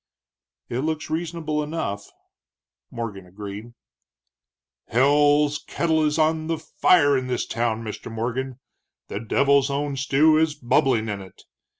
"It looks reasonable enough," Morgan agreed. "Hell's kettle is on the fire in this town, Mr. Morgan; the devil's own stew is bubbling in it.